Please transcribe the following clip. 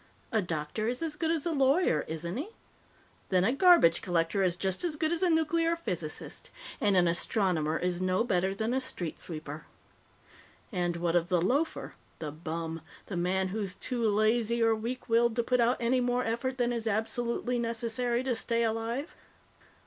A doctor is as good as a lawyer, isn't he? Then a garbage collector is just as good as a nuclear physicist, and an astronomer is no better than a street sweeper. And what of the loafer, the bum, the man who's too lazy or weak willed to put out any more effort than is absolutely necessary to stay alive?